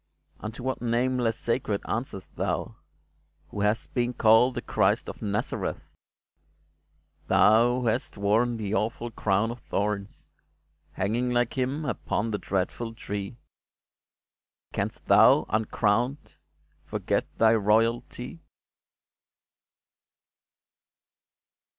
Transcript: Unto what name less sacred answerest thou Who hast been called the Christ of Nazareth ? Thou who hast worn the awful crown of thorns, Hanging like Him upon the dreatful Tree, Canst thou, uncrowned, forget thy royalty